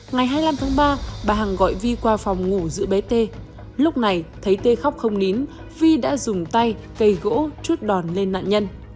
ngày hai mươi năm tháng ba bà hằng gọi vi qua phòng ngủ giữ bé t lúc này thấy tê khóc không nín phi đã dùng tay cây gỗ chút đòn lên nạn nhân